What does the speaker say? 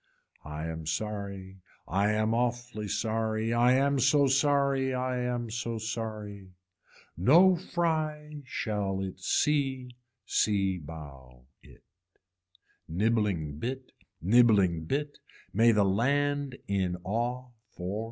I am sorry I am awfully sorry, I am so sorry, I am so sorry. No fry shall it see c bough it. Nibbling bit, nibbling bit, may the land in awe for.